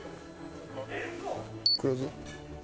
黒酢？